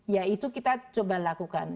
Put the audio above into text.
ya itu kita coba lakukan